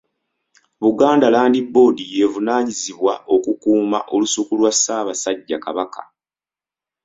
Buganda Land Board y'evunaanyizibwa okukuuma Olusuku lwa Ssaabasajja Kabaka.